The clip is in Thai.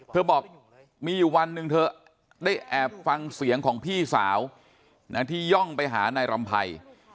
บอกมีอยู่วันหนึ่งเธอได้แอบฟังเสียงของพี่สาวที่ย่องไปหานายรำไพร